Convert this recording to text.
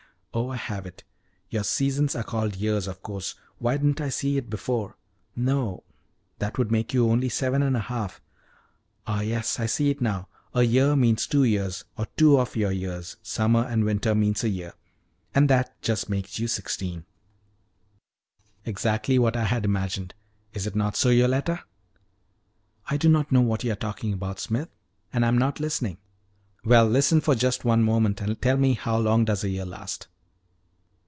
Oh, I have it: your seasons are called years, of course why didn't I see it before! No, that would make you only seven and a half. Ah, yes, I see it now: a year means two years, or two of your years summer and winter mean a year; and that just makes you sixteen, exactly what I had imagined. Is it not so, Yoletta?" "I do not know what you are talking about, Smith; and I am not listening." "Well, listen for one moment, and tell me how long does a year last?"